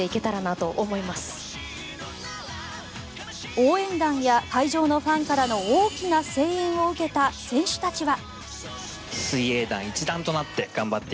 応援団や会場のファンからの大きな声援を受けた選手たちは。